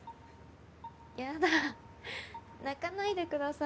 やだ泣かないでくださいよ。